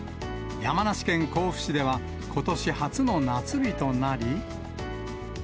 山梨県甲府市では、ことし初の夏日となり。